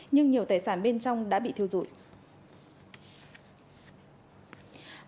nhưng nhiều tài sản bên trong đã bị thiêu dụi